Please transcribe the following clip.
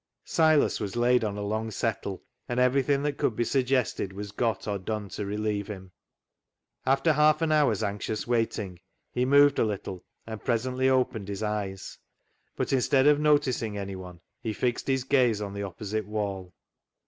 Silas was laid on a long settle, and everything that could be suggested was got or done to relieve him. After half an hour's anxious waiting he moved a little, and presently opened his eyes. But, instead of noticing any one, he fixed his gaze on the opposite wall.